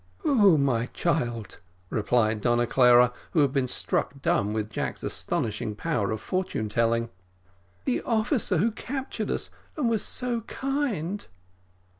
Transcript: "Who, my child?" replied Donna Clara, who had been struck dumb with Jack's astonishing power of fortune telling. "The officer who captured us, and was so kind."